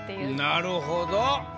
なるほど。